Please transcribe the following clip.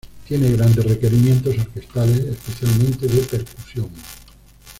Tiene grandes requerimientos orquestales, especialmente de percusión.